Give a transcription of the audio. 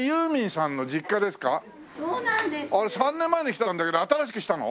３年前に来たんだけど新しくしたの？